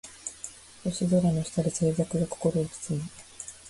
星空の下で静寂が心を包む